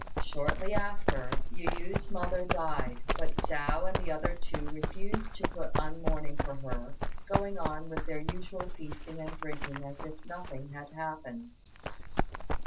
Shortly after, Yu yü's mother died; but Hsiao and the other two refused to put on mourning for her, going on with their usual feasting and drinking as if nothing had happened.